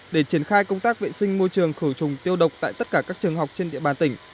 để triển khai công tác vệ sinh môi trường khử trùng tiêu độc tại tất cả các trường học trên địa bàn tỉnh